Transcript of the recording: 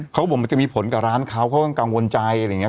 เขาบอกมันจะมีผลกับร้านเขาเขาก็กังวลใจอะไรอย่างนี้